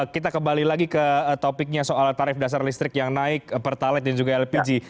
kita kembali lagi ke topiknya soal tarif dasar listrik yang naik pertalet dan juga lpg